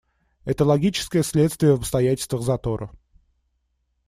Это логическое следствие в обстоятельствах затора.